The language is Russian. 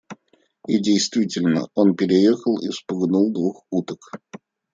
И действительно, он переехал и вспугнул двух уток.